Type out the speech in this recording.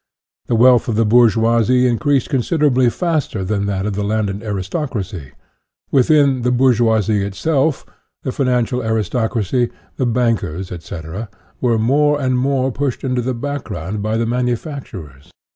The wealth of the bourgeoisie increased consid erably faster than that of the landed aristocracy. INTRODUCTION 35 Within *he bourgeoisie itself, the financial aris tocracy, the bankers, etc., were more and more pushed into the background by the manufact urers.